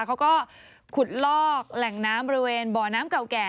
เขาก็ขุดลอกแหล่งน้ำบริเวณบ่อน้ำเก่าแก่